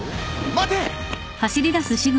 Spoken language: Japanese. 待て！